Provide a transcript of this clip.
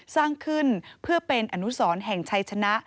สร้างขึ้นเพื่อเป็นอนุสรแห่งชัยชนะ